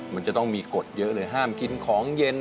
มันจะต้องมีกฎเยอะเลยห้ามกินของเย็น